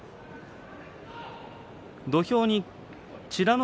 土俵に美ノ